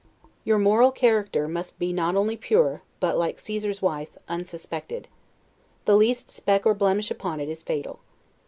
Your moral character must be not only pure, but, like Caesar's wife, unsuspected. The least speck or blemish upon it is fatal.